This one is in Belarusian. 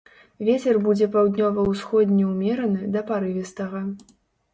Вецер будзе паўднёва-ўсходні ўмераны да парывістага.